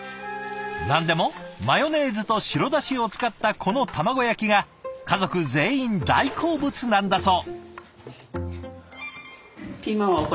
何でもマヨネーズと白だしを使ったこの卵焼きが家族全員大好物なんだそう。